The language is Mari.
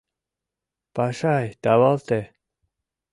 Пашай, тавалте.